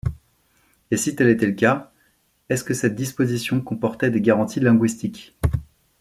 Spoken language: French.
Et si tel était le cas, est-ce que cette disposition comportait des garanties linguistiques?